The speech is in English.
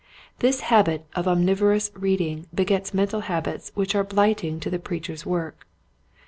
This habit of omnivorous reading begets mental habits which are blighting to the preacher's work.